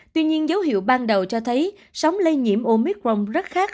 tuy nhiên dấu hiệu ban đầu cho thấy sóng lây nhiễm omicron rất khác